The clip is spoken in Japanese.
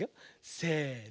せの。